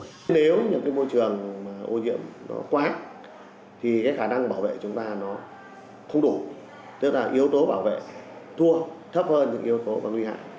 nếu những môi trường ô nhiễm quá thì khả năng bảo vệ chúng ta nó không đủ tức là yếu tố bảo vệ thua thấp hơn những yếu tố có nguy hại